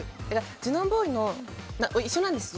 ジュノンボーイの一緒なんです。